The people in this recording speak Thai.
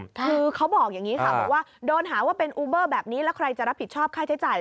คือเขาบอกอย่างนี้ค่ะบอกว่าโดนหาว่าเป็นอูเบอร์แบบนี้แล้วใครจะรับผิดชอบค่าใช้จ่าย